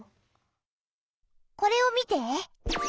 これを見て。